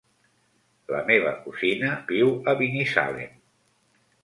La meva cosina viu a Binissalem.